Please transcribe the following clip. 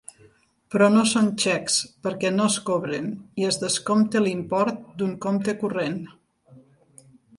Però no són xecs perquè no es cobren i es descompta l'import d'un compte corrent.